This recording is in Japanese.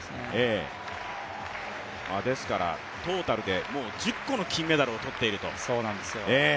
ですからトータルで１０個の金メダルを取っていると。